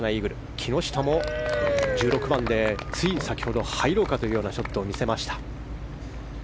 木下も１６番でつい先ほど入ろうかというようなショットを見せました。